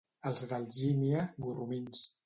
Els d'Algímia, gorromins.